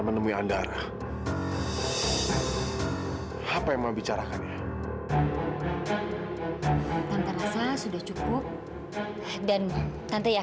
tante tunggu jawaban secepatnya